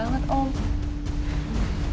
aku juga malas banget om